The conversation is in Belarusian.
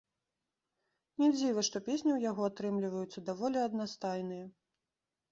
Не дзіва, што песні ў яго атрымліваюцца даволі аднастайныя.